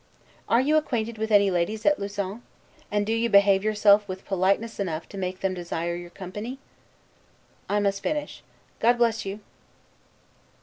Are you acquainted with any ladies at Lausanne? and do you behave yourself with politeness enough to make them desire your company? I must finish: God bless you!